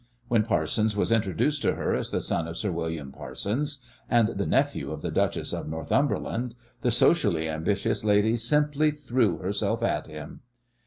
When Parsons was introduced to her as the son of Sir William Parsons, and the nephew of the Duchess of Northumberland, the socially ambitious lady simply "threw herself at him."